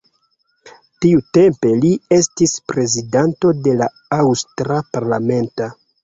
Tiutempe li estis prezidanto de la aŭstra parlamento.